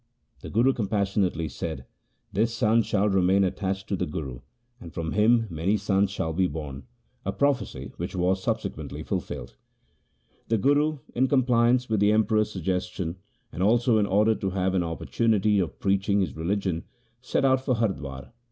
The Guru compas sionately said, ' This son shall remain attached to the Guru, and from him many sons shall be born '— a prophecy which was subsequently fulfilled. The Guru, in compliance with the Emperor's suggestion, and also in order to have an opportunity of preaching his religion, set out for Hardwar.